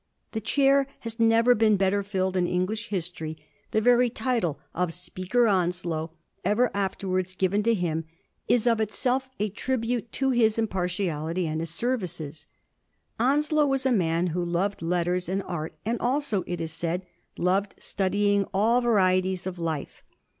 The chair has never been better filled in English history ; the very title of ' Speaker Onslow,' ever afterwards given to him, is of itself a tribute to his impartiality and his services. Onslow was a man "who loved letters and art, and also, it is said, loved studying all varieties of life.